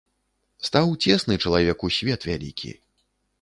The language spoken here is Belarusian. Стаў цесны чалавеку свет вялікі.